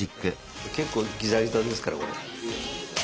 結構ギザギザですからこれ。